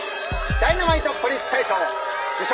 ダイナマイトポリス大賞受賞